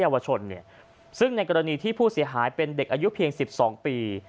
ยาวชนเนี่ยซึ่งในกรณีที่ผู้เสียหายเป็นเด็กอายุเพียงสิบสองปี